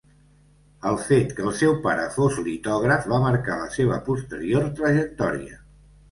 El fet que el seu pare fos litògraf va marcar la seva posterior trajectòria.